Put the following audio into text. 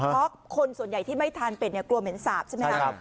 เพราะคนส่วนใหญ่ที่ไม่ทานเป็ดกลัวเหม็นสาปใช่ไหมครับใช่ครับ